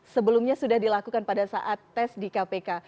sebelumnya sudah dilakukan pada saat tes di kpk